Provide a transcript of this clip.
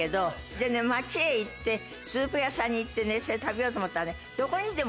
で街へ行ってスープ屋さんに行ってそれ食べようと思ったらね。